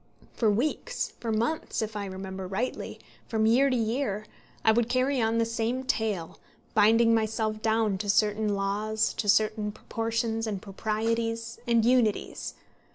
For weeks, for months, if I remember rightly, from year to year, I would carry on the same tale, binding myself down to certain laws, to certain proportions, and proprieties, and unities.